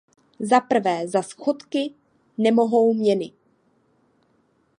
Zaprvé, za schodky nemohou měny.